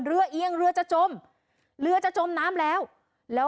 เรือเอียงเรือจะจมจะจมพ่อเรามะน้ำแล้ว